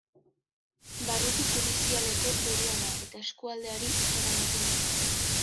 Barruti judizialeko burua da eta eskualdeari izena ematen dio.